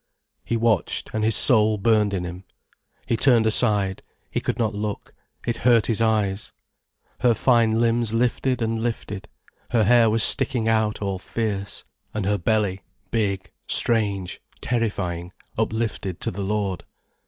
He watched, and his soul burned in him. He turned aside, he could not look, it hurt his eyes. Her fine limbs lifted and lifted, her hair was sticking out all fierce, and her belly, big, strange, terrifying, uplifted to the Lord.